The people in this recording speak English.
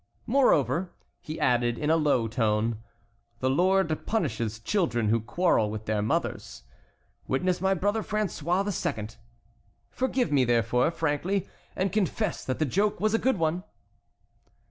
Moreover," he added in a low tone, "the Lord punishes children who quarrel with their mothers. Witness my brother François II. Forgive me, therefore, frankly, and confess that the joke was a good one."